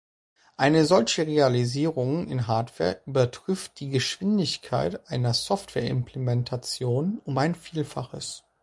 Eine solche Realisierung in Hardware übertrifft die Geschwindigkeit einer Software-Implementation um ein Vielfaches.